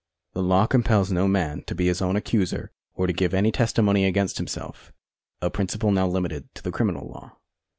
The law compels no man to be his own accuser or to give any testimony against himself — a principle now limited to the criminal law.